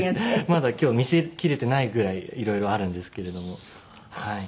まだ今日見せきれてないぐらいいろいろあるんですけれどもはい。